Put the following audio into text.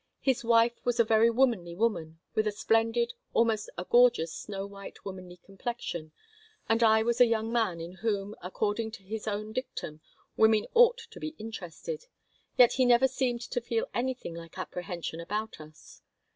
His wife was a very womanly woman with a splendid, almost a gorgeous snow white womanly complexion, and I was a young man in whom, according to his own dictum, women ought to be interested; yet he never seemed to feel anything like apprehension about us.